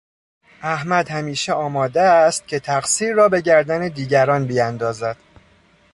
احمد همیشه آماده است که تقصیر را به گردن دیگران بیاندازد.